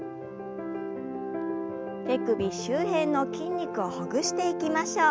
手首周辺の筋肉をほぐしていきましょう。